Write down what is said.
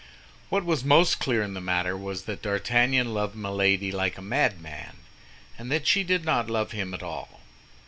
What was most clear in the matter was that D'Artagnan loved Milady like a madman, and that she did not love him at all.